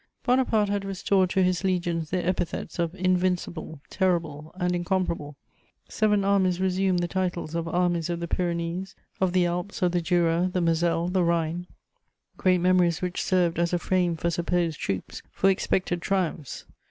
Bonaparte had restored to his legions their epithets of "invincible," "terrible" and "incomparable;" seven armies resumed the titles of Armies of the Pyrenees, of the Alps, of the Jura, the Moselle, the Rhine: great memories which served as a frame for supposed troops, for expected triumphs.